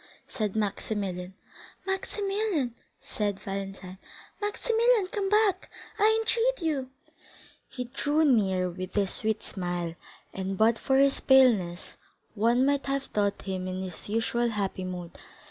said Maximilian. "Maximilian!" said Valentine, "Maximilian, come back, I entreat you!" He drew near with his sweet smile, and but for his paleness one might have thought him in his usual happy mood.